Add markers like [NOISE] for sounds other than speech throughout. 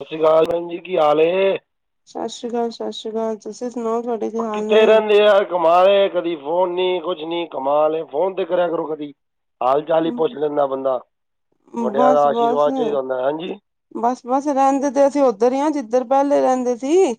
ਸਤ ਸ਼੍ਰੀ ਕਾਲ ਭੈਣ ਜੀ, ਕੀ ਹਾਲ ਏ? ਸਤਿ ਸ਼੍ਰੀ ਅਕਾਲ, ਸਤਿ ਸ਼੍ਰੀ ਅਕਾਲ ਤੁਸੀਂ ਸੁਣਾਓ ਤੁਹਾ ਓ ਕਿਥੇ ਰਹਿੰਦੇ ਆ? ਕਮਾਲ ਏ, ਕਦੀ ਫੋਨ ਨੀ, ਕੁਛ ਨੀ ਕਮਾਲ ਏ, ਫੋਨ ਤੇ ਕਰਿਆ ਕਰੋ ਕਦੀ। ਹਾਲ ਚਾਲ ਹੀ ਪੁੱਛ ਲੈਂਦਾ ਬੰਦਾ, ਵਡਿਆ ਦਾ ਆਸ਼ੀਰਵਾਦ ਚਾਹੀਦਾ ਹੁੰਦਾ ਹਾਂਜੀ। ਬਸ-ਬਸ, ਰਹਿੰਦੇ ਤੇ ਅਸੀਂ ਉੱਧਰ ਹੀ ਆਂ, ਜਿੱਧਰ ਪਹਿਲੇ ਰਹਿੰਦੇ ਸੀ।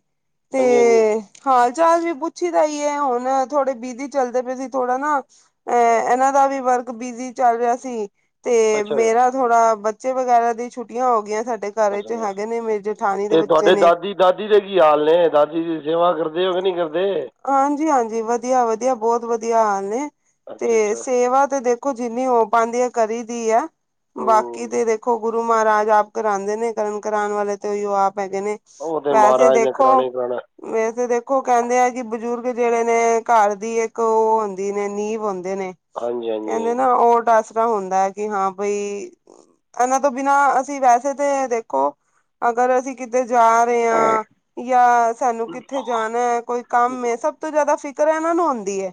ਤੇ ਹਾਂਜੀ, ਹਾਂਜੀ। ਹਾਲ ਚਾਲ ਵੀ ਪੁੱਛੀ ਦਾ ਹੀ ਐ ਹੁਣ ਥੋੜੇ ਬਿਜੀ ਚੱਲਦੇ ਪਏ ਸੀ ਥੋੜਾ ਨਾ ਐ ਇਹਨਾਂ ਦਾ ਵੀ ਵਰਕ ਬਿਜ਼ੀ ਚੱਲ ਰਿਹਾ ਸੀ ਤੇ ਅੱਛਾ ਜੀ, ਮੇਰਾ ਥੋੜਾ ਬੱਚੇ ਵਗੈਰਾ ਦੀ ਛੁੱਟੀਆਂ ਹੋ ਗਈਆਂ ਸਾਡੇ ਘਰ ਵਿੱਚ ਅੱਛਾ ਹੈਗੇ ਨੇ ਮੇਰੇ ਜੇਠਾਣੀ ਦੇ ਅਤੇ ਬੱਚੇ ਤੁਹਾਡੇ ਨੇ ਦਾਦੀ ਦਾਦੀ ਦੇ ਕੀ ਹਾਲ ਨੇ, ਦਾਦੀ ਜੀ ਦੀ ਸੇਵਾ ਕਰਦੇ ਓ ਕਿ ਨਹੀਂ ਕਰਦੇ? ਹਾਂਜੀ, ਹਾਂਜੀ ਵਧੀਆ, ਵਧੀਆ ਬਹੁਤ ਵਧੀਆ ਹਾਲ ਨੇ ਅੱਛਾ ਤੇ ਅੱਛਾ ਸੇਵਾ ਤੇ ਦੇਖੋ ਦੇਖੋ ਜਿੰਨੀ ਹੋ ਪਾਉਂਦੀ ਹੈ ਕਰੀ ਦੀ ਹੈ। ਬਾਕੀ ਹੂੰ ਤੇ ਦੇਖੋ, ਗੁਰੂ ਮਹਾਰਾਜ ਆਪ ਕਰਾਂਦੇ ਨੇ। ਕਰਨ ਕਰਾਨ ਵਾਲੇ ਤੇ ਓਹੀਓ ਆਪ ਹੈਗੇ ਨੇ। ਉਹ ਤਾਂ ਵੈਸੇ ਮਹਾਰਾਜ ਨੇ ਦੇਖੋ, ਕਰਾਉਣਾ ਹੀ ਕਰਾਉਣਾ ਵੈਸੇ ਦੇਖੋ ਕਹਿੰਦੇ ਐ ਕਿ ਬਜ਼ੁਰਗ ਜਿਹੜੇ ਨੇ, ਘਰ ਦੀ ਇੱਕ ਉਹ ਹੁੰਦੀ ਨੇ, ਨੀਂਵ ਹੁੰਦੇ ਨੇ। ਹਾਂਜੀ ਹਾਂਜੀ ਕਹਿੰਦੇ ਹਾਂਜੀ ਨਾ, ਓਟ ਆਸ ਸਰਾ ਹੁੰਦਾ ਹੈ ਕਿ ਹਾਂ ਬਈ ਇਹਨਾਂ ਤੋਂ ਬਿਨਾਂ ਅਸੀਂ ਵੈਸੇ ਤੇ ਦੇਖੋ ਅਗਰ ਅਸੀਂ ਕਿਤੇ ਜਾ ਰੇ ਆਂ, ਯਾ ਸਾਨੂੰ ਕਿੱਥੇ ਜਾਨੈ, ਕੋਈ ਕੰਮ ਏ ਸਭ ਤੋਂ ਜ਼ਿਆਦਾ ਫਿਕਰ ਇਹਨਾ ਨੂੰ ਹੁੰਦੀ ਹੈ।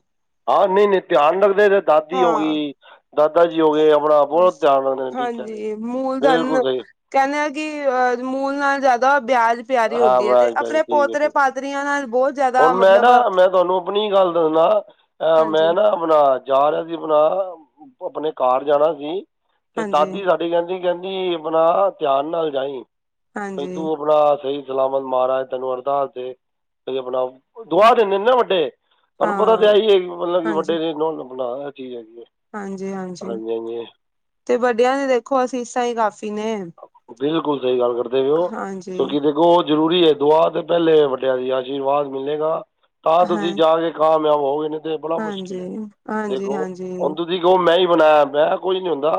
ਹਾਂ, ਨਹੀਂ-ਨਹੀਂ ਧਿਆਨ ਰੱਖਦੇ ਨੇ, ਦਾਦੀ ਹੋ ਹਾਂ ਗਈ ਦਾਦਾ ਜੀ ਹੋ ਗਏ ਆਪਣਾ ਬਹੁਤ ਧਿਆਨ ਰੱਖਦੇ ਨੇ, ਠੀਕ ਕਹਿ ਰਹੇ ਹੋ, ਹਾਂਜੀ ਮੂਲਧਨ ਬਿਲਕੁਲ ਸਹੀ। ਕਹਿੰਦੇ ਆ ਕਿ ਅਹ ਮੂਲ ਨਾਲ ਜ਼ਿਆਦਾ ਬਿਆਜ ਹਾਂ ਬਸ ਬਸ ਜੀ ਠੀਕ ਹੈ ਠੀਕ ਨਾਲ ਬਹੁਤ ਜ਼ਿਆਦਾ ਹੁਣ ਮੈਂ ਮਤਲਬ ਨਾ ਮੈਂ ਤੁਹਾਨੂੰ ਆਪਣੀ ਗੱਲ ਦੱਸਦਾ ਅ ਮੈਂ ਹਾਂਜੀ ਨਾ, ਅਪਣਾ ਜਾ ਰਿਹਾ ਸੀ ਬਣਾ ਆਪਣੇ ਘਰ ਜਾਣਾ ਸੀ ਤੇ ਹਾਂਜੀ ਦਾਦੀ ਸਾਡੀ, ਦੀ ਕਹਿੰਦੀ, ਕਹਿੰਦੀ ਆਪਣਾ ਧਿਆਨ ਨਾਲ ਜਾਈ ਬਈ ਹਾਂਜੀ ਤੂੰ ਆਪਣਾ ਸਹੀ ਸਲਾਮਤ ਮਹਾਰਾਜ ਤੈਨੂੰ ਅਰਦਾਸ ਤੇ ਆਪਣਾ ਦੁਆ ਦਿੰਨਦੇ ਨਾ ਵੱਡੇ। ਹਾਂ ਤੁਹਾਨੂੰ ਪਤਾ ਤੇ ਆਹੀ ਹੈ ਮਤਲਬ ਕਿ ਹਾਂਜੀ ਵੱਡੇ ਨੇ ਬਣਾ ਇਹ ਚੀਜ਼ ਹੈਗੀ ਹੈ ਹਾਂਜੀ- ਹਾਂਜੀ, ਤੇ ਵਡਿਆਂ ਦੀ ਦੇਖੋ ਅਸੀਸਾਂ ਹੀ ਕਾਫ਼ੀ ਨੇ। ਬਿਲਕੁਲ ਸਹੀ ਗੱਲ ਕਰਦੇ ਪਏ ਹੋ ਹਾਂਜੀ ਤੁਸੀ ਦੇਖੋ ਜ਼ਰੂਰੀ ਹੈ ਦੁਆ ਤੇ ਪਹਿਲੇ ਵੱਡਿਆਂ ਦੀ, ਆਸ਼ੀਰਵਾਦ ਮਿਲੇਗਾ। ਤਾਂ ਹਾਂ ਤੁਸੀਂ ਜਾ ਕੇ ਕਾਮਯਾਬ ਹੋ ਗਏ ਨੇ ਤੇ ਬੜਾ ਹਾਂਜੀ, ਮੁਸ਼ਕਿਲ ਏ। ਹਾਂਜੀ, ਦੇਖੋ ਹੁਨ ਹਾਂਜੀ, ਤੁਸ ਤੁਸੀ ਕੋ ਮੈਂ ਹੀ ਬਣਾਇਆ ਮੈਂ ਕੁਝ ਨੀ ਹੁੰਦਾ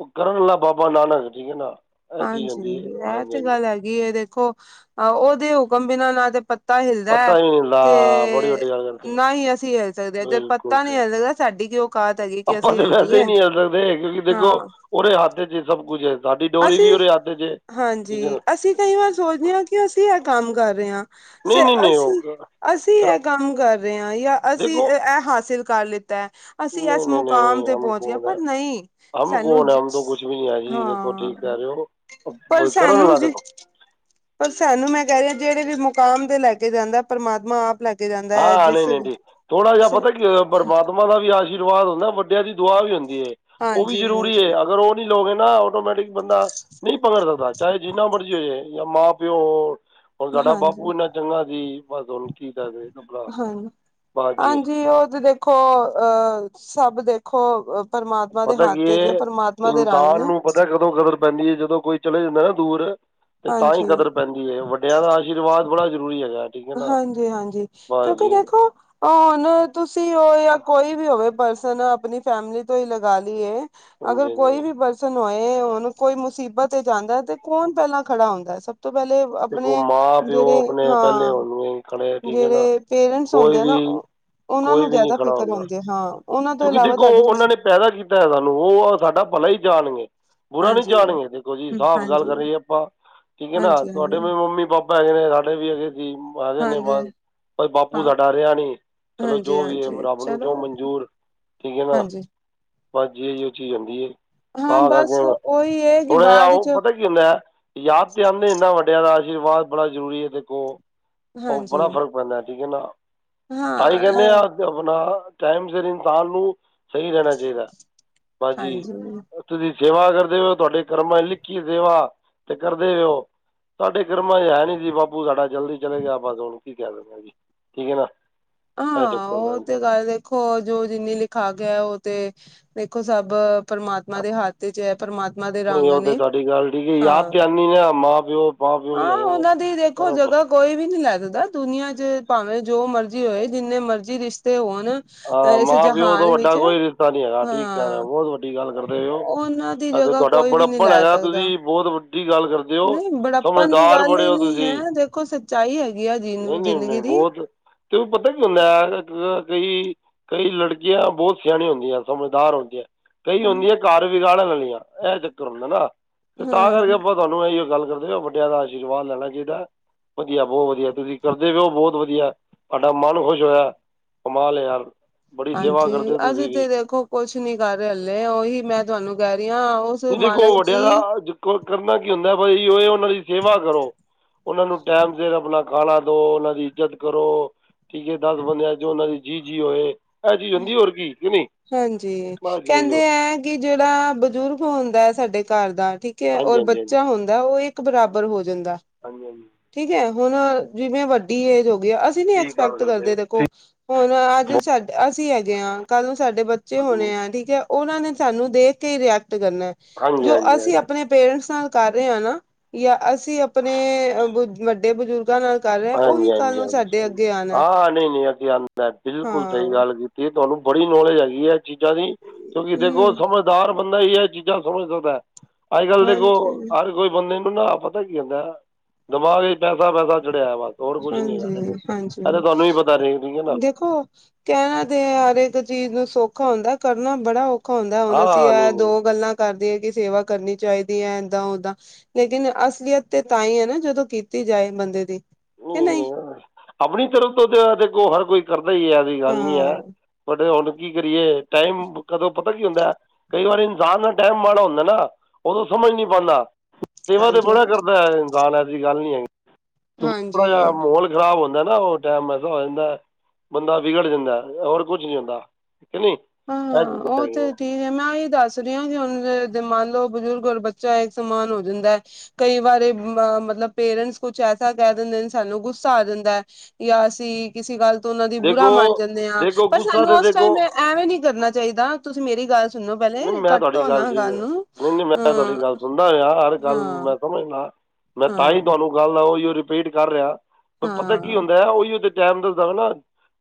ਉਹ ਕਰਨ ਵਾਲਾ ਬਾਬਾ ਨਾਨਕ ਠੀਕ ਐ ਨਾ, ਇਹ ਚੀਜ਼ ਹਾਂਜੀ, ਹੁੰਦੀ ਹੈ ਇਹ ਹਾਂਜੀ ਤੇ ਹਾਂਜੀ ਗੱਲ ਹੈਗੀ ਏ ਦੇਖੋ, ਅਹ ਉਹਦੇ ਹੁਕਮ ਬਿਨਾਂ ਨਾ ਤੇ ਪੱਤ ਪੱਤਾ ਹਿਲਦੇ। ਪਤਾ ਹੀ ਨਹੀਂ ਹੁੰਦਾ ਬੜੀ ਤੇ ਵੱਡੀ ਗੱਲ ਕਰਦੇ ਹੋ ਨਾਹੀ ਅਸੀਂ ਹਿਲ ਸਕਦੇ ਹਾਂ ਜਦ ਬਿਲਕੁਲ ਪੱਤਾ ਜੀ ਨਹੀਂ ਹਿਲਦਾ ਸਾਡੀ ਕਿ ਓਕਾਤ ਹੈਗੀ। ਕਿ ਆਪਾਂ ਅਸੀਂ ਤੇ ਹਿਲ ਵੈਸੇ ਹੀ ਜਾਈਏ ਨਹੀਂ ਹਿਲ ਸਕਦੇ, ਕਿਉਂਕਿ ਦੇਖੋ ਹਾਂ ਉਹਦੇ ਹੱਥ ਈ ਚ ਏ ਸਭ ਕੁਛ ਹੈ। ਸਾਡੀ ਡੋਰੀ ਅਸੀਂ ਵੀ ਉਹਦੇ ਹੱਥੇ ਚ ਹੈ ਠੀਕ ਹੈ ਨਾ ਹਾਂਜੀ, ਅਸੀਂ ਕਈ ਵਾਰ ਸੋਚਦੇ ਹਾਂ ਕਿ ਅਸੀਂ ਇਹ ਕੰਮ ਕਰ ਰਹੇ ਹਾਂ। ਨਹੀਂ ਸਰ ਨਹੀਂ ਨਹੀਂ ਅਸੀਂ, ਉਹ ਅਸੀਂ ਕਰ ਇਹ ਕੰਮ ਕਰ ਰਹੇ ਹਾਂ ਯਾ ਅਸੀਂ ਦੇਖੋ ਇਹ ਹਾਸਿਲ ਕਰ ਲਿੱਤਾ ਐ, ਅਸੀਂ ਐਸ ਮੁਕਾਮ ਤੇ ਪਹੁੰਚ ਗਏ ਪਰ ਨਹੀਂ ਸਾਨੂੰ ਜ ਸ ਹਾਂ, ਪਰ ਸਾਨੂੰ ਜੇ ਪਰ ਸਾਨੂੰ ਮੈਂ ਕਹਿ ਰਹੀ ਆਂ, ਜਿਹੜੇ ਵੀ ਮੁਕਾਮ ਤੇ ਲੈ ਕੇ ਜਾਂਦੈ, ਪਰਮਾਤਮਾ ਆਪ ਲੈ ਕੇ ਜਾਂਦਾ ਹੈ ਹਾਂ ਨਹੀਂ, ਜਿਸ ਨਹੀਂ ਨੀ ਥੋੜ੍ਹਾ ਜਿਹਾ ਪਤਾ ਕੀ ਹੋਇਆ ਪਰਮਾਤ, ਉਹਨਾਂ ਦਾ ਵੀ ਆਸ਼ੀਰਵਾਦ ਹੁੰਦਾ ਵੱਡਿਆਂ ਦੀ ਦੁਆ ਵੀ ਹੁੰਦੀ ਹੈ। ਉਹ ਵੀ ਹਾਂਜੀ ਜ਼ਰੂਰੀ ਹਾਂਜੀ ਹੈ। ਅਗਰ ਉਹ ਨਹੀਂ ਲੋ ਗੇ ਨਾ ਆਟੋਮੈਟਿਕ ਬੰਦਾ ਨਹੀਂ ਪਕੜ ਸਕਦਾ ਚਾਹੇ ਜਿੰਨਾ ਮਰਜ਼ੀ ਹੋ ਜਾਏ। ਜਾਂ ਮਾਂ ਪਿਓ ਹੋਰ ਸਾਡਾ ਹਾਂਜੀ ਬਾਪੂ ਇੰਨਾ ਚੰਗਾ ਸੀ ਬਸ ਹਣੂੰ ਕੀ ਆਪਣਾ ਹਾਂਜੀ, ਬਸ ਜੀ ਹਾਂਜੀ ਉਹ ਤੇ ਦੇਖੋ ਅਹ ਸਭ ਦੇਖੋ ਪਰਮਾਤਮਾ ਦੇ ਪਤਾ ਕੀ ਹੱਥ ਚ ਪ੍ਰਮਾਤਮਾ ਦੇ ਰੰਗ ਨੇ। ਉਦੋਂ ਕਦਰ ਪੈਂਦੀ ਹੈ। ਜਦੋਂ ਕੋਈ ਚਲੇ ਜਾਂਦਾ ਨਾ ਦੂਰ ਤੇ ਤਾਂ ਹੀ ਹਾਂਜੀ ਕਦਰ ਪੈਂਦੀ। ਵੱਡਿਆਂ ਦਾ ਆਸ਼ੀਰਵਾਦ ਬੜਾ ਜ਼ਰੂਰੀ ਹੈਗਾ, ਠੀਕ ਹੈ ਨਾ ਹਾਂਜੀ, ਹਾਂਜੀ ਬਸ ਕਿਉਂਕਿ ਜੀ ਦੇਖੋ ਹੁਣ ਤੁਸੀਂ ਹੋ ਜਾਂ ਕੋਈ ਵੀ ਹੋਵੇ ਪਰਸਨ ਆਪਣੀ ਫੈਮਿਲੀ ਤੋਂ ਹੀ ਲਗਾ ਲਈਏ, ਅਗਰ ਹਾਂਜੀ ਕੋਈ ਹਾਂਜੀ ਵੀ ਬਸ ਹੋਏ ਹੁਣ ਕੋਈ ਮੁਸੀਬਤ ਤੇ ਜਾਂਦਾ ਤੇ ਕੌਣ ਪਹਿਲਾਂ ਖੜਾ ਹੁੰਦਾ। ਸਭ ਤੋਂ ਪਹਿਲੇ ਆਪਣੇ ਜਿਹੜੇ ਆ। ਮੇਨ ਖੇੜੇ। ਜਿਹੜੇ ਪੇਰੈਂਟਸ ਹੁੰਦੇ ਆ ਨਾਂ। ਉਹਨਾਂ ਕੋਈ ਨੂੰ ਵੀ ਨਹੀਂ ਜ਼ਿਆਦਾ ਖੜ੍ਹਾ ਫ਼ਿਕਰ ਹੁੰਦਾ ਹੁੰਦੀ ਆ ਹਾਂ। ਉਹਨਾਂ ਤੋਂ ਕਿਉਂਕਿ ਇਲਾਵਾ ਦੇਖੋ ਕਰਦੇੰ ਉਹਨਾਂ ਤੁਸੀਂ। ਨੇ ਪੈਦਾ ਕੀਤਾ ਹੈ ਸਾਨੂੰ ਉਹ ਸਾਡਾ ਭਲਾ ਹੀ ਜਾਣਗੇ। ਬੁਰਾ ਨੀ ਹਾਂਜੀ ਜਾਣਗੇ ਦੇਖੋ ਜੀ। ਹਮ, ਸਾਫ਼ ਗੱਲ ਹਾਂਜੀ ਕਰਹੀਏ ਆਪਾਂ। ਠੀਕ ਹੈ। ਨਾ ਹਾਂਜੀ ਤੁਹਾਡੇ ਵੀ ਹਾਂਜੀ ਮੰਮੀ ਪਾਪਾ ਹੈਗੇ ਨੇ ਸਾਡੇ ਵੀ ਹੈਗੇ ਸੀ। ਹੈਗੇ ਨੇ ਹਾਂਜੀ ਬਸ। ਪਰ ਬਾਪੂ ਹਾਂ ਸਾਡਾ ਰਿਹਾ ਨੀ ਚਲੋ ਹਾਂਜੀ ਜੋ ਵੀ ਹੈ ਹਾਂਜੀ ਰੱਬ ਨੂੰ ਜੋ ਚਲੋ ਮਨਜ਼ੂਰ। ਠੀਕ ਹੈ ਨਾ ਹਾਂਜੀ ਜਹੜੀ ਉਹ ਚੀਜ਼ ਆਉਂਦੀ ਹੈ। ਹਾਂ ਤਾਂ ਬਸ ਕਰਕੇ ਉਹੀ ਹੈ ਕਿ ਥੋੜਾ ਜਿਹਾ ਬਾਅਦ ਉਹ ਚ ਪਤਾ। ਕਹਿੰਦਾ ਯਾਦ ਤੇ ਆਉਂਦੇ। ਇਨਾਂ ਵੱਡਿਆਂ ਦਾ ਆਸ਼ੀਰਵਾਦ ਬੜਾ ਜ਼ਰੂਰੀ ਹੈ ਦੇਖੋ। ਉਹ ਹਾਂਜੀ ਬੜਾ ਫਰਕ ਪੈਂਦਾ ਠੀਕ ਹੈ ਨਾ। ਤਾਂਈ ਹਾਂ ਕਹਿੰਦੇ ਆਂ। ਅ, ਆਪਣਾ ਟਾਈਮ ਸਿਰ ਇਨਸਾਨ ਨੂੰ। ਸਹੀ ਰਹਿਣਾ ਚਾਹੀਦਾ ਬਸ ਜੀ। ਹਾਂਜੀ ਤੁਸੀਂ ਸੇਵਾ ਕਰਦੇ ਹੋ। ਤੁਹਾਡੇ ਕਰਮਾਂ ਚ ਲਿਖੀਏ ਸੇਵਾ ਤੇ ਕਰਦੇ ਰਹੋ। ਸਾਡੇ ਕਰਮਾ 'ਚ ਹੈ ਨੀ ਸੀ ਬਾਪੂ ਸਾਡਾ ਜਲਦੀ ਚਲਿਆਂ ਗਿਆ। ਬਸ ਹੁਣ ਕੀ ਕਹਿ ਸਕਦੇ ਜੀ। ਠੀਕ ਹੈ ਨਾਂ। ਹਾਂ ਉਹ ਤੇ ਗੱਲ ਦੇਖੋ ਜੋ ਜਿੰਨੀ ਲਿਖਾ ਕੇ ਆਇਆਂ। ਉਹ ਤੇ ਦੇਖੋ ਸਭ। ਪਰਮਾਤਮਾ ਦੇ ਹੱਥ ਚ ਹੈ। ਪ੍ਰਮਾਤਮਾ ਦੇ ਰੰਗ ਉਹ ਤਾਂ ਨੇ ਤੁਹਾਡੀ ਗੱਲ ਠੀਕ ਹਾਂ। ਯਾਦ ਕੁਛ ਦਹਾਨੀ ਨਹੀਂ ਹੈ। ਮਾਂ ਪਿਓ ਤੋਂ ਬਾਅਦ। ਆਂ ਉਹਨਾਂ ਦੀ ਦੇਖੋ ਜਗ੍ਹਾ। ਕੋਈ ਵੀ ਨਹੀਂ ਲੈ ਸਕਦਾ। ਦੁਨੀਆਂ 'ਚ' ਭਾਵੇਂ ਜੋ ਮਰਜ਼ੀ ਹੋਏ ਜਿੰਨੇ ਮਰਜ਼ੀ ਰਿਸ਼ਤੇ ਹੋਣ। ਇਸ ਮਾਂ ਪਿਓ ਤੋਂ ਜਹਾਨ ਵੱਡਾ ਵਿੱਚ ਕੋਈ ਰਿਸ਼ਤਾ ਨਹੀਂ ਹੈਗਾ ਠੀਕ ਕਹਿ ਰਹੇ ਹਾਂ। ਹੋ ਬਹੁਤ ਵੱਡੀ ਗੱਲ ਕਰਦੇ ਪਏ ਹੋ ਉਹਨਾਂ ਦੀ ਅਤੇ ਜਗ੍ਹਾ ਤੁਹਾਡਾ ਕੋਈ ਵੀ ਨਹੀਂ ਬੜੱਪਣ ਲੈ ਹੈਗਾ ਸਕਦਾ। ਤੁਸੀਂ ਬਹੁਤ ਵੱਡੀ ਗੱਲ ਕਰਦੇ ਹੋ ਨਹੀਂ ਬੁਢਾਪਾ ਦੀ ਸਮਝਦਾਰ ਗੱਲ ਬੜੇ ਹੀ ਹੋ ਨੀ ਤੁਸੀਂ ਹੈ ਦੇਖੋ ਸੱਚਾਈ ਹੈਗੀ ਆ। ਜੀਨੂੰ ਜ਼ਿੰਦਗੀ ਦੀ। ਤੈਨੂੰ ਪਤਾ ਕਿ ਹੁੰਦਾ ਆ। ਮੈਂ ਗਈ। ਕਈ ਲੜਕੀਆਂ ਬਹੁਤ ਸਿਆਣੀਆਂ ਹੁੰਦੀਆਂ। ਸਮਝਦਾਰ ਹੁੰਦੀਆਂ। ਕਈ ਹੁੰਦੀਆਂ। ਘਰ ਵਗਾੜਨ ਲੈ ਵਾਲੀਆਂ। ਇਹ ਚੱਕਰ ਹੁੰਦਾ ਨਾ ਤੇ ਤਾਂ ਕਰਕੇ ਹਾਂ ਆਪਾਂ। ਤੁਹਾਨੂੰ ਇਹੀ ਗੱਲ ਕਰਦੇ ਆਂ। ਵੱਡਿਆਂ ਦਾ ਆਸ਼ੀਰਵਾਦ ਲੈਣਾ ਚਾਹੀਦਾ। ਵਧੀਆ ਬਹੁਤ ਵਧੀਆ ਤੁਸੀਂ ਕਰਦੇ ਰਹੋ। ਬਹੁਤ ਵਧੀਆ ਤੁਡਾ ਮਨ ਖੁਸ਼ ਹੋਇਆ। ਕਮਾਲ ਆਂ ਯਾਰ। ਬੜੀ ਸੇਵਾ ਕਰਦੇ ਹਾਂਜੀ ਹੋ ਅਸੀਂ ਤੁਸੀਂ ਵੀ ਤੇ ਦੇਖੋ ਕੁਛ ਨੀ ਕਰ ਰਹੇ ਹਲੇੇ। ਉਹੀ ਮੈਂ ਤੁਹਾਨੂੰ ਕਹਿ ਰਹੀ ਹਾਂ। ਹੁਣ ਦੇਖੋ ਮਾਲਕ ਵੱਡਿਆਂ ਦੀ ਦਾ। ਕਰਨਾ ਕੀ ਹੁੰਦਾ। ਬਸ ਉਹ ਉਹਨਾਂ ਦੀ ਸੇਵਾ ਕਰੋ। ਉਹਨਾਂ ਨੂੰ ਟਾਈਮ ਸਿਰ ਆਪਣਾ ਖਾਣਾ ਦੋ ਉਹਨਾਂ ਦੀ ਇੱਜਤ ਕਰੋ। ਠੀਕ ਹੈ ਦੱਸ ਬੰਦਿਆਂ 'ਚ ਉਹਨਾਂ ਦੀ ਜੀ ਜੀ ਹੋਏ। ਹਾਂਜੀ ਹਦੀ ਹੋਰ ਕੀ। ਕਿ ਹਾਂਜੀ ਨਹੀਂ ਜੀ ਜੀ ਕਹਿੰਦੇ ਹੋ। ਹੈ ਕਿ ਜਿਹੜਾ ਬਜ਼ੁਰਗ ਹੁੰਦਾ ਹੈ। ਸਾਡੇ ਘਰ ਦਾ ਠੀਕ ਹੈ ਹਾਂਜੀ ਔਰ ਹਾਂਜੀ ਹਾਂਜੀ ਬੱਚਾ ਹੁੰਦਾ। ਤਾਂ ਉਹ ਇੱਕ ਬਰਾਬਰ ਹੋਂ ਜਾਂਦਾ। ਹਾਂਜੀ ਹਾਂਜੀ। ਠੀਕ ਹੈ ਹੁਣ ਜਿਵੇਂ ਵੱਡੀ ਏਜ ਹੋ ਗਈ ਆ। ਅਸੀਂ ਨੀ ਠੀਕ ਗੱਲ ਐਕਸ਼ਪੈਕਟ ਹੋ ਕਰਦੇ ਦੇਖੋ। ਤੁਸੀਂ ਹੁਣ ਅੱਜ ਸਾਡੇ ਅਸੀਂ ਹੈਗੇ ਹਾਂ ਕੱਲ ਨੂੰ ਸਾਡੇ ਬੱਚੇ ਹੋਣੇ ਬਹੁਤ- ਆ ਠੀਕ ਹੈ।। ਉਹਨਾਂ ਨੇ ਸਾਨੂੰ ਦੇਖ ਕੇ ਰੀਐਕਟ ਕਰਨਾ। ਹਾਂਜੀ ਜੋ ਹਾਂਜੀ ਅਸੀਂ ਹਾਂਜੀ ਆਪਣੇ ਪੇਰੈਂਟਸ ਨਾਲ ਕਰ ਰਹੇ ਹਾਂ ਨਾਂ। ਜਾਂ ਅਸੀਂ ਕਿ ਆਪਣੇ ਵੱਡੇ ਬਜ਼ੁਰਗਾਂ ਨਾਲ ਗੱਲ। ਹਾਂਜੀ ਹਜੀ ਹਾਂਜੀ ਹਾਂ ਨਹੀਂ ਨਹੀ। ਅਸੀਂ ਆਉਂ ਬਿਲਕੁਲ ਸਹੀ ਹਾਂ ਗੱਲ। ਤੇ ਤੁਹਾਨੂੰ ਬੜੀ ਨੌਲੇਜ ਹੈਗੀ ਹੈ ਚੀਜ਼ਾਂ ਦੀ। ਕਿਉਂਕਿ ਦੇਖੋ ਹਮ ਸਮਝ। ਹੁਸ਼ਿਆਰ ਬੰਦਾ ਹੀ ਇਹ ਚੀਜ਼ਾਂ ਸਮਝ ਸਕਦਾ। ਅੱਜ ਕੱਲ੍ਹ ਦੇਖੋ ਹਾਂਜੀ ਹਰ ਕੋਈ ਬੰਦੇ ਨੇ। ਪਤਾ ਕੀ ਹੁੰਦਾ। ਦਿਮਾਗ ਚ ਪੈਸਾ ਪੈਸਾ ੜਿਆ ਬ ਹੋਰ ਕੁੱਝ ਨੀ ਕਰ ਹਾਂਜੀ ਆਂ। ਤਾਂ ਹਾਂਜੀ ਤੁਹਾਨੂੰ ਵੀ ਪਤਾ ਠੀਕ ਨਾ। ਦੇਖੋ। ਕਹਿਣਾ ਤੇ ਹਰ ਇੱਕ ਚੀਜ਼ ਨੂੰ ਸੌਖਾ ਹੁੰਦਾ ਕਰਨਾ ਬੜਾ ਔਖਾ ਦੁੱਖ ਹੁੰਦਾ ਹੁਣ ਅਸੀਂ ਹਾਂ ਇਹ ਨਹੀਂ ਨਹੀਂ ਦੋ ਗੱਲਾਂ ਕਰਦੇ ਹੈ ਕਿ ਸੇਵਾ ਕਰਨੀ ਚਾਹੀਦੀ ਹੈ ਏਦਾਂ ਉਦਾਂ। ਲੇਕਿਨ ਅਸਲੀਅਤ ਤੇ ਤਾਂ ਹੀ ਹੈ ਨਾ ਜਦੋਂ ਕੀਤੀ ਜਾਏ ਬੰਦੇ ਦੀ ਕਿ ਨਹੀਂ। ਆਪਣੀ ਤਰਫ਼ ਤੋਂ ਤਾਂ ਦੇਖੋ ਹਰ ਕੋਈ ਕਰਦਾ ਹੀ ਐਸੀ ਗੱਲ ਨਹੀਂ ਹੈ ਹਾਂ ਬਟ ਹੁਣ। ਕੀ ਕਰੀਏ ਟਾਈਮ ਕਦੋਂ ਪਤਾ ਕੀ ਹੁੰਦਾ ਕਈ ਵਾਰੀ ਇਨਸਾਨ ਦਾ ਟਾਈਮ ਮਾੜਾ ਹੁੰਦਾ ਨਾ ਉਦੋਂ ਸਮਝ ਨਹੀਂ ਪਾਉਂਦਾ। ਸੇਵਾ ਤੇ ਹਾਂਜੀ ਬੜਾ ਹਾਂਜੀ ਕਰਦਾ ਇਸਾਨ ਐਸੀ ਗੱਲ ਨੀ ਹੈਗੀ ਥੋੜਾ ਜਾ ਹਾਂਜੀ ਮਾਹੌਲ ਖਰਾਬ ਹੁੰਦਾ ਨਾ ਉਹ ਟਾਈਮ ਐਸਾ ਹੋ ਜਾਂਦਾ। ਬੰਦਾ ਵਿਗੜ ਜਾਂਦਾ ਹੋਰ ਕੁਝ ਨੀ ਹੁੰਦਾ ਠੀਕ ਹੈ ਕੇ ਨਹੀਂ ਇਹ ਹਾਂ ਚੀਜ਼ਾਂ ਉਹ ਤੇ ਹੈਗੀਆਂ ਠੀਕ ਤੇ ਮੈਂ ਇਹ ਦੱਸ ਰਹੀ ਹਾਂ ਕਿ ਹੁਣ ਮੰਨ ਲਓ ਬਜ਼ੁਰਗ ਔਰ ਬੱਚਾ ਇੱਕ ਸਮਾਨ ਹੋ ਜਾਂਦਾ ਹੈ। ਕਈ ਵਾਰੇ ਅ ਮਤਲਬ ਪੇਰੈਂਟਸ ਕੁਛ ਐਸਾ ਕਹਿ ਦਿੰਦੇ ਸਾਨੂੰ ਗੁੱਸਾ ਜਾਦਾ ਹੈ। ਜਾਂ ਅਸੀਂ ਕਿਸੇ ਗੱਲ ਤੋਂ ਉਹਨਾਂ ਦੀ ਬੁਰਾ ਦੇਖੋ ਮੰਨ ਜਾਂਦੇ ਹਾਂ ਦੇਖੋ ਪਰ ਗੁੱਸਾ ਸਾਨੂੰ ਤਾਂ ਉਸ ਦੇਖੋ ਟਾਈਮ। ਐਵੇਂ ਨੀ ਕਰਨਾ ਚਾਹੀਦਾ ਤੁਸੀਂ ਮੇਰੀ ਗੱਲ ਸੁਣੋ ਪਹਿਲੇ ਨਹੀਂ ਮੈਂ ਤੁਹਾਡੀ ਕੱਟੋ ਗੱਲ ਨਾ ਠੀਕ ਆ ਨੂੰ ਨਹੀਂ ਨਹੀਂ ਅ ਮੈਂ ਤੁਹਾਡੀ ਗੱਲ ਸੁਣਦਾ ਆਂ ਹਰ ਗੱਲ ਨੂੰ ਹਾਂ ਮੈਂ ਸਮਝਨਾ ਮੈਂ ਤਾਂ ਹੀ ਹਾਂ ਤੁਹਾਨੂੰ ਗੱਲ ਆ ਉਹੀ ਰਿਪੀਟ ਕਰ ਰਿਹਾ ਪਤਾ ਹਾਂ ਕੀ ਹੁੰਦਾ ਹੈ ਉਹੀ ਉਹਦੇ ਟਾਈਮ ਦੱਸਦਾ ਹਨਾ।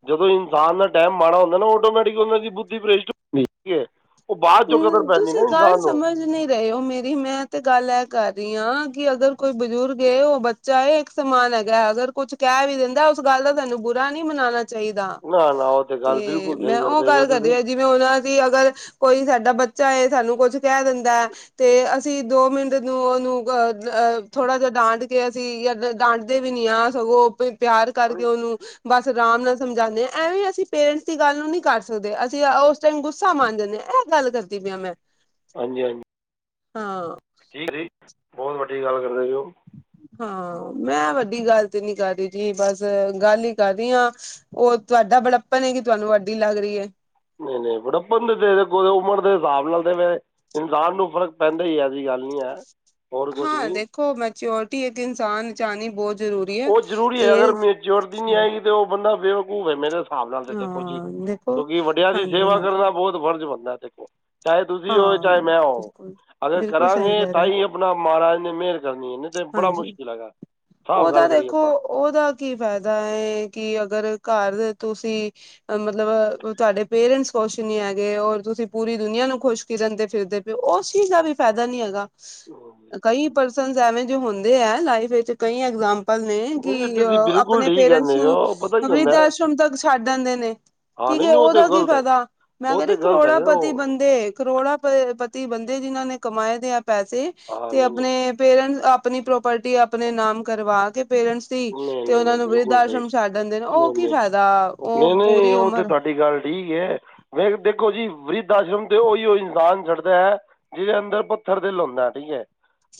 ਜਦੋਂ ਇਨਸਾਨ ਦਾ ਟਾਈਮ ਮਾੜਾ ਹੁੰਦਾ ਨਾ ਓਟੋਮੈਟਿਕ ਉਹਨਾਂ ਦੀ ਬੁੱਧੀ ਪ੍ਰਸ਼ਟ ਹੁੰਦੀ ਹੈ। ਉਹ ਬਾਅਦ ਚੋਂ ਕਦਰ ਹਮ ਪੈਂਦੀ ਨਾ ਤੁਸੀਂ ਗੱਲ ਇਨਸਾਨ ਨੂੰ ਸਮਝ ਨਹੀਂ ਤੇ ਇਹੋ ਮੇਰੀ ਮੈਂ ਤੇ ਗੱਲ ਇਹ ਕਰ ਰਹੀ ਹਾਂ ਕਿ ਅਗਰ ਕੋਈ ਬਜ਼ੁਰਗ ਹੈ ਉਹ ਬੱਚੇ। ਚਾਹੇ ਇੱਕ ਸਮਾਨ ਹੈਗਾ ਅਗਰ ਕੁੱਛ ਕਹਿ ਵੀ ਦਿੰਦਾ ਉਸ ਗੱਲ ਦਾ ਸਾਨੂੰ ਬੁਰਾ ਨੀ ਮਨਾਉਣਾ। ਚਾਹੀਦਾ ਨਾ ਨਾ ਉਹ ਤੇ ਗੱਲ ਬਿਲਕੁਲ ਸਹੀ ਮੈਂ ਉਹ ਕਰਦੇ ਪਏ ਹੋ ਗੱਲ ਕਰਦੀ ਤੁਸੀਂ ਹਾਂ ਜਿਵੇਂ ਉਹਨਾਂ ਦੀ ਅਗਰ। ਕੋਈ ਸਾਡਾ ਬੱਚਾ ਹੈ ਸਾਨੂੰ ਕੁਛ ਕਹਿ ਦਿੰਦਾ ਹੈ ਤੇ ਅਸੀਂ ਦੋ ਮਿੰਟ ਨੂੰ ਉਹਨੂੰ ਥੋੜ੍ਹਾ ਜਿਹਾ ਡਾਂਟ ਕੇ ਅਸੀਂ ਜਾਂ ਡਾਂਟ ਦੇ ਵੀ ਨੀ ਆ ਸਗੋਂ ਪਿਆਰ ਕਰਕੇ ਉਹਨੂੰ ਬਸ ਆਰਾਮ ਨਾਲ ਸਮਝਾਉਂਦੇ ਹਾਂ। ਐਵੇਂ ਅਸੀਂ ਪੇਰੈਂਟਸ ਦੀ ਗੱਲ ਨੂੰ ਨਹੀਂ ਕਰ ਸਕਦੇ। ਅਸੀਂ ਉਸ ਟਾਈਮ ਗੁੱਸਾ ਮੰਨ ਜਾਂਦੇ ਹਾਂ। ਇਹ ਗੱਲ ਕਰਦੀ ਪਈ ਆਂ ਮੈਂ। ਹਾਂਜੀ ਹਾਂਜੀ। ਹਾਂ। ਠੀਕ ਜੀ ਬਹੁਤ ਵੱਡੀ ਗੱਲ ਕਰਦੇ ਜੇ ਉਹ। ਹਾਂ ਮੈਂ ਵੱਡੀ ਗੱਲ ਤੇ ਨਹੀਂ ਕਰ ਰਹੀ ਬਸ ਗੱਲ ਹੀ ਕਰ ਰਹੀ ਹਾਂ। ਉਹ ਤੁਹਾਡਾ ਬੜੱਪਨ ਹੈ ਕਿ ਤੁਹਾਨੂੰ ਵੱਡੀ ਲੱਗ ਰਹੀ ਹੈ। ਨਹੀਂ ਨਹੀਂ ਬੜੱਪਣ ਤੇ ਤੇਰੇ ਕੋਲ਼ ਉਮਰ ਦੇ ਹਿਸਾਬ ਨਾਲ ਤੇ ਮੈਂ। ਇਨਸਾਨ ਨੂੰ ਫ਼ਰਕ ਪੈਂਦਾ ਹੀ ਐਸੀ ਗੱਲ ਨਹੀਂ ਹੈ। ਹੋਰ ਕੁਝ ਹਾਂ ਨਹੀਂ ਦੇਖੋ ਮੈਚਿਓਰਟੀ ਇੱਕ ਇਨਸਾਨ ਚ ਅਣੀ ਬਹੁਤ ਜ਼ਰੂਰੀ ਹੈ ਉਹ ਜ਼ਰੂਰੀ ਹੈ। ਅਗਰ ਇਹ ਮਿਚੋਰਟੀ ਨਹੀਂ ਆਏਗੀ ਤੇ ਉਹ ਬੰਦਾ ਬੇਵਕੂਫ ਹੈ ਮੇਰੇ। ਹਿਸਾਬ ਨਾਲ ਤੇ ਦੇਖੋ ਜੀ ਹਾਂ ਦੇਖੋ ਕਿਉਂਕਿ ਵੱਡਿਆਂ ਦੀ ਹਾਂਜੀ ਸੇਵਾ ਹਾਂਜੀ ਕਰਨਾ ਬਹੁਤ ਫ਼ਰਜ਼ ਬਣਦਾ ਦੇਖੋ। ਚਾਹੇ ਤੁਸੀਂ ਹੋ ਹਾਂ ਚਾਹੇ ਮੈਂ ਹੋ। ਬਿਲਕੁਲ ਅਗਰ ਬਿਲਕੁਲ ਸਹੀ ਕਰਾਂਗੇ ਕਹਿ ਰਹੇ ਤਾਂ ਹੋ। ਹੀ ਆਪਣਾ ਮਹਾਰਾਜ ਨੇ ਮਿਹਰ ਕਰਨੀ ਹੈ ਨਹੀਂ ਤੇ ਬੜਾ ਹਾਂਜੀ ਮੁਸ਼ਕਿਲ ਹੈਗਾ। ਸਾਫ਼ ਉਹਦਾ ਗੱਲ। ਕਰੀਏ ਦੇਖੋ ਉਹਦਾ ਕੀ ਫਾਇਦਾ ਹੈ ਕੀ ਅਗਰ ਘਰ ਤੁਸੀਂ। ਮਤਲਬ ਤੁਹਾਡੇ ਪੇਰੈਂਟਸ ਕੁਛ ਨੀ ਹੈਗੇ, ਔਰ ਤੁਸੀਂ ਪੂਰੀ ਦੁਨੀਆਂ ਨੂੰ ਖੁਸ਼ ਕਿਰਨ ਦੇ ਫਿਰਦੇ ਪ ਉਸ ਚੀਜ਼ ਦਾ ਵੀ ਫਾਇਦਾ ਨੀ ਹੈਗਾ ਆਪਾਂ ਕਈ ਪਰ ਸੀਨਜ਼ ਐਵੇ ਜੈ ਹੁੰਦੇ ਐ, ਲਾਈਫ ਵਿੱਚ ਕਈ ਐਗਜ਼ਾਮ ਪਲ ਨੇ ਨਹੀਂ ਕਿ ਤੁਸੀਂ ਬਿਲਕੁਲ ਆਪਣੇ ਠੀਕ ਪੇਰੈਂਟਸ ਕਹਿੰਦੇ ਹੋ ਨੂੰ ਉਹ ਪਤਾ ਕੀ ਵਰਿਦ ਹੁੰਦਾ ਹੈ। ਆਸ਼ਰਮ ਤੱਕ ਛੱਡ ਦਿੰਦੇ ਨੇ। ਹਾਂ ਠੀਕ ਨਹੀਂ ਨਹੀਂ ਉਹ ਤਾਂ ਉਹਦਾ ਕੀ ਗਲਤ ਹੈ ਫਾਇਦਾ ਮੈਂ ਉਹ ਤਾਂ ਕਹਿੰਦੀ ਗਲਤ ਕਰੋੜਾਂ ਹੈਗੇ ਪਤੀ ਉਹ ਬੰਦੇ ਕਰੋੜਾਂ ਪ ਪਤੀ ਬੰਦੇ ਜਿਨ੍ਹਾਂ ਨੇ ਕਮਾਏ ਦੇ ਆ ਪੈਸੇ, ਹਾਂ ਤੇ ਨਹੀਂ ਨਹੀਂ ਆਪਣੇ ਪੇਰੈਂਟਸ ਆਪਣੀ ਪ੍ਰੋਪਰਟੀ ਆਪਣੇ ਨਾਮ ਕਰਵਾ ਕੇ, ਪੇਰੈਂਟਸ ਸੀ ਨਹੀਂ ਤੇ ਨਹੀਂ ਉਹਨਾ ਨਹੀਂ ਨੂੰ ਵਰਧ ਬਿਲਕੁਲ ਸਹੀ ਆਸ਼ਰਮ ਛੱਡਣ ਦੇਣ ਉਹ ਨਹੀਂ ਕੀ ਫਾਇਦਾ ਉਹ ਪੂਰੀ ਉਮਰ ਦੀ ਗੱਲ ਠੀਕ ਹੈ। ਵੇਖ ਦੇਖੋ ਜੀ ਵਰਿਧ ਆਸ਼ਰਮ ਤੇ ਉਹੀ ਉਹ ਇਨਸਾਨ ਛੱਡਦਾ ਹੈ। ਜਿਹਦੇ ਅੰਦਰ ਪੁੱਥਰ ਦਿਲ ਹੁੰਦਾ ਠੀਕ ਐ,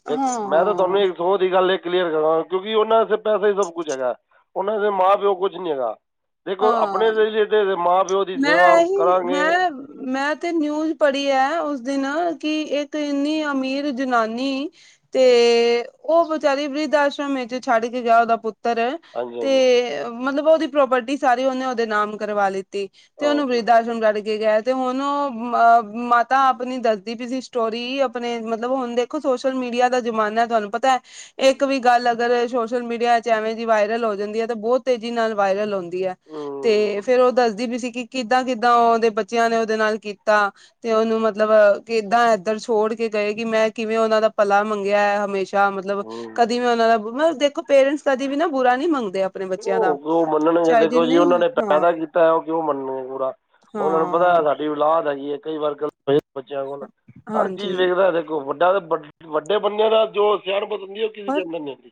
ਹਾਂ ਜੇ ਮੈਂ ਤਾਂ ਹਾਂ ਤੁਹਾਨੂੰ ਇੱਕ ਸੋਚ ਦੀ ਗੱਲ ਐ ਕਲੀਅਰ ਕਰਾਂ ਕਿਉਂਕਿ ਓਨਾਂ ਸ ਪੈਸਾ ਹੀ ਸਭ ਕੁੱਛ ਹੈਗਾ, ਓਨਾਂ ਦੇ ਮਾਂ ਪਿਓ ਕੁਛ ਨੀ ਹੈਗਾ। ਦੇਖੋਂ ਹਾਂ ਆਪਨੇ ਜ਼ਰੀਏ ਤੇ ਮਾਂ ਪਿਓ ਦੀ ਸੇਵਾ ਮੈਂ ਇਹੀ ਕਰਾਂਗੇ। ਮੈਂ ਮੈਂ ਤੇ ਨਿਊਜ ਪੜ੍ਹੀ ਐ ਉਸ ਦਿਨ ਕਿ ਇੱਕ ਇੰਨੀ ਅਮੀਰ ਜਨਾਨੀ ਤੇ ਓ ਵਿਚਾਰੀ ਵ੍ਰਿਧ ਆਸ਼ਰਮ ਵਿੱਚ ਛੱਡ ਕੇ ਗਿਆ ਓਦਾ ਪੁੱਤ ਤਰ ਹਾਂਜੀ ਤੇ ਹਾਂਜੀ ਮਤਲਬ ਓਦੀ ਪ੍ਰੋਪਰਟੀ ਸਾਰੀ ਓਨੇ ਓਦੇ ਨਾਮ ਕਰਵਾਲੀ ਕੀਤੀ ਤੇ, ਓਨੂੰ ਓਕੇ ਬ੍ਰਿਧ ਆਸ਼ਰਮ ਛੱਡ ਕੇ ਗਿਆ। ਤੇ ਹੁਣ ਓ ਅ ਮਾਤਾ ਆਪਨੀ ਦੱਸਦੀ ਪਈ ਸੀ ਸਟੋਰੀ, ਅਪਨੇ ਮਤਲਬ ਹੁਨ ਦੇ ਦੇਖੋ ਸੋਸ਼ਲ ਮੀਡੀਆ ਦਾ ਜ਼ਮਾਨਾ ਤੁਹਾਨੂੰ ਪਤਾ ਐ, ਇੱਕ ਵੀ ਗੱਲ ਅਗਰ ਏ ਸੋਸ਼ਲ ਮੀਡੀਆ 'ਚ ਐਵੇਂ ਦੀ ਵਾਇਰਲ ਹੋ ਜਾਂਦੀ ਐ, ਤੇ ਬੋਤ ਤੇਜ਼ੀ ਨਾਲ ਵਾਇਰਲ ਹੁੰਦੀ ਐ। ਤੇ ਹੂੰ ਫੇਰ ਓ ਦੱਸਦੀ ਪੀ ਸੀ ਕਿ ਕਿੱਦਾਂ-ਕਿੱਦਾਂ ਓਦੇ ਬੱਚਿਆਂ ਨੇ ਓਦੇ ਨਾਲ ਕੀਤਾ। ਤੇ ਓਨੂੰ ਮਤਲਬ ਕਿੱਦਾਂ ਏਧਰ ਛੋੜ ਕੇ ਗਏ ਕਿ ਮੈਂ ਕਿਵੇਂ ਓਨਾਂ ਦਾ ਭਲਾ ਮੰਗਿਆ ਹਮੇਸ਼ਾ ਯਾ ਮਤਲਬ ਕਦੀ ਹੂੰ, ਵੀ ਓਨਾਂ ਦਾ, ਮਤਲਬ ਦੇਖੋ ਪੇਰੈਂਟਸ ਕਦੇ ਵੀ ਨਾ ਬੁਰਾ ਨੀ ਮੰਗਦੇ ਆਪ ਓ ਜੋ ਮੰਨਣ ਗੇ ਤੇ ਦੇਖੋ ਜੀ, ਓਨਾਂ ਨੇ ਹਾਂ ਪੈਦਾ ਕੀਤਾ ਓ ਕਿਉਂ ਮੰਗਨ ਗੇ ਬੁਰਾ ਓਨਾਂ ਨੂੰ ਪਤਾ ਹਾਂ ਸਾਡੀ ਔਲਾਦ ਹੈਗੀ ਏ ਕਈ ਵਾਰ [UNINTELLIGIBLE] ਬੱਚਿਆਂ ਕੋਲ ਹਰ ਚੀਜ਼ ਹਾਂਜੀ ਵੇਖਦਾ ਵੱਡਾ ਵੱਡੇ ਬੰਦਿਆਂ ਦਾ ਜੋ ਸਿਆਣਪਤ ਹੰਦੀ, ਓ ਕਿਸੇ ਦੇ ਪਰ ਅੰਦਰ ਨੀ ਹੁੰਦੀ।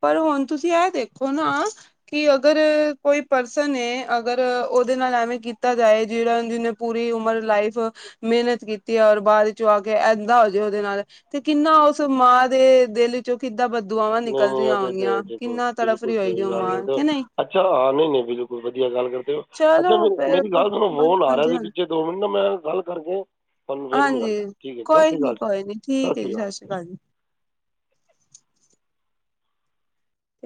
ਪਰ ਹੋਨ ਤੁਸੀਂ ਐ ਦੇਖੋ ਨਾ ਕਿ ਅਗਰ ਕੋਈ ਪਰਸਨ ਏ ਅਗਰ ਓਦੇ ਨਾਲ ਐਵੇਂ ਕੀਤਾ ਜਾਏ, ਜੇੜਾ ਜਿਨੇ ਪੂਰੀ ਉਮਰ ਲਾਈਫ ਮਿਹਨਤ ਕੀਤੀ ਐ ਔਰ ਬਾਦ ਚੋਂ ਆ ਕੇ ਏਦਾ ਹੋ ਜੇ ਓਦੇ ਨਾਲ। ਤੇ ਕਿੰਨਾ ਉਸ ਮਾਂ ਦੇ ਦਿਲ ਵਿੱਚੋਂ ਕਿੱਦਾਂ ਬਦੁਆਵਾਂ ਨਈ ਓ ਤੇ ਹੈ ਦੇਖੋ ਬਿਲਕੁਲ ਹੋਏਗੀ ਸਹੀ ਉਹ ਗੱਲ ਮਾਂ ਕਰਦੇ ਹੋ, ਕਿ ਨਹੀਂ ਅੱਛਾ ਹਾਂ ਨਈ-ਨਈ ਬਿਲਕੁਲ ਵਧੀਆ ਗੱਲ ਕਰਦੇ ਹੋ। ਅੱਛਾ, ਚਲੋ ਫੇਰ ਮੇਰੀ-ਮੇਰੀ ਗੱਲ ਸੁਨੋ ਹਾਂਜੀ ਫੋਨ ਆ ਰਿਹਾ ਸੀ ਹਾਂਜੀ ਪਛੇ ਦੋ ਮਿੰਟ ਮੈਂ ਗੱਲ ਕਰਕੇ ਤੁਹਾਨੂੰ ਫਿਰ ਹਾਂਜੀ ਮਿਲਾਨਾ, ਠੀਕ ਐ ਸਤਿ ਕੋਈ ਸ੍ਰੀ ਨੀ ਅਕਾਲ, ਕੋਈ ਨੀ ਸਤਿ ਠੀਕ ਹੈ ਜੀ ਸ੍ਰੀ ਸਤਿ ਸ਼੍ਰੀ ਅਕਾਲ। ਜੀ